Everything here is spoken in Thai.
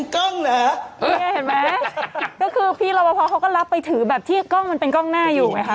ก็คือพี่ลอวภเขาก็รับไปถือแบบที่กล้องมันเป็นกล้องหน้าอยู่ไหมคะ